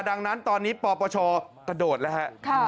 ดังนั้นตอนนี้ปปชกระโดดแล้วฮะ